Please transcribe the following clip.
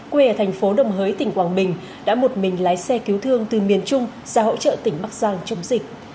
quê ở thành phố đồng hới tỉnh quảng bình đã một mình lái xe cứu thương từ miền trung ra hỗ trợ tỉnh bắc giang chống dịch